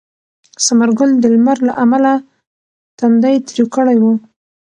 ثمر ګل د لمر له امله تندی تریو کړی و.